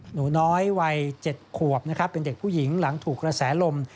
หนูน้อยวัย๗ขวบนะครับเป็นเด็กผู้หญิงหลังถูกกระแสลม